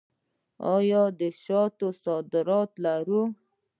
آیا د شاتو صادرات لرو؟